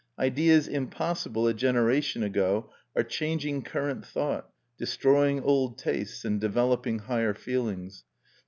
Ideas impossible a generation ago are changing current thought, destroying old tastes, and developing higher feelings.